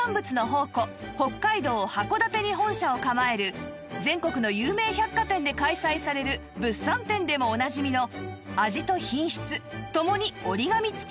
北海道函館に本社を構える全国の有名百貨店で開催される物産展でもおなじみの味と品質ともに折り紙付きのブランド